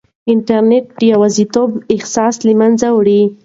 انټرنیټ د یوازیتوب احساس له منځه وړي.